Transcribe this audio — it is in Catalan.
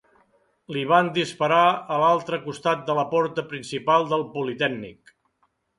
Li van disparar a l'altre costat de la porta principal del Politècnic.